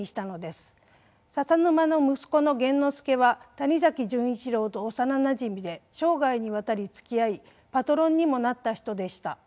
笹沼の息子の源之助は谷崎潤一郎と幼なじみで生涯にわたりつきあいパトロンにもなった人でした。